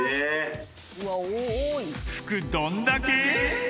［服どんだけ！］